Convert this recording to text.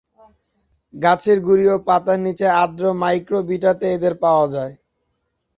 গাছের গুঁড়ি ও পাতার নিচে আর্দ্র মাইক্রোবিটাটে এদের পাওয়া যায়।